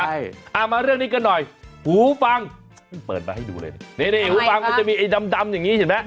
อ่ะมาเรื่องนี้กันหน่อยหูฟังเอามาเปิดไปให้ดูเลยนี่นี่หูฟังจะมีไอ้ดำอย่างงี้เห็นไหม